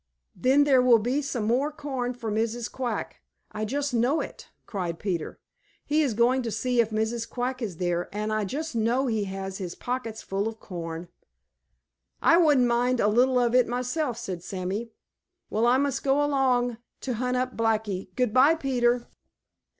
"Then there will be some more corn for Mrs. Quack. I just know it!" cried Peter. "He is going to see if Mrs. Quack is there, and I just know he has his pockets full of corn." "I wouldn't mind a little of it myself," said Sammy. "Well, I must go along to hunt up Blacky. Good by, Peter."